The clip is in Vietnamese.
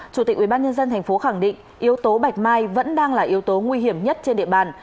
chủ tịch ubnd tp khẳng định yếu tố bạch mai vẫn đang là yếu tố nguy hiểm nhất trên địa bàn